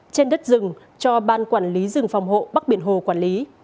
trên đất rừng cho ban quản lý rừng phòng hộ bắc biển hồ quản lý